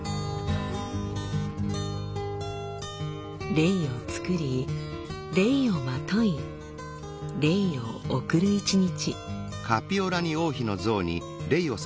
レイを作りレイをまといレイを贈る一日。